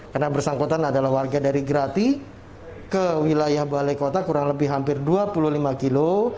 karena bersangkutan adalah warga dari grati ke wilayah balai kota kurang lebih hampir dua puluh lima kilo